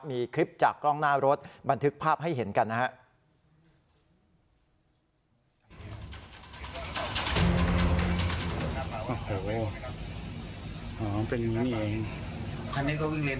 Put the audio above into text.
มีคลิปจากกล้องหน้ารถบันทึกภาพให้เห็นกันนะครับ